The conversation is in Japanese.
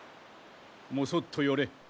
もそっと寄れ。